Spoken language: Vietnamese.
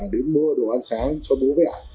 đến mua đồ ăn sáng cho bố với ảnh